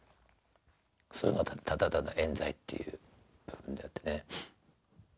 そういうのがただただえん罪っていう部分であってね。